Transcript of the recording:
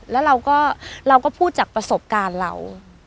แล้วเราก็พูดจากประสบการณ์เรา